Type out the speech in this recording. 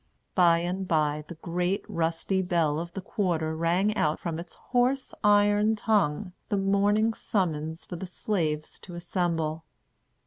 By and by the great, rusty bell of the quarter rang out from its hoarse, iron tongue the morning summons for the slaves to assemble.